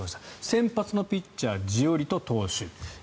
先発のピッチャージオリト投手。